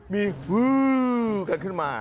มีฮือขัดขึ้นมา